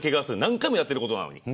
何回もやってるのに。